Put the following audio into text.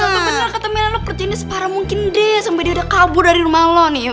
bener kata mila lo perjainnya separah mungkin deh sampai dia udah kabur dari rumah lo nih